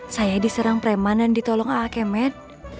saya diserang preman dan ditolong akemet